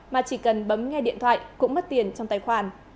mà chỉ cần bấm nghe điện thoại cũng mất tiền trong tài khoản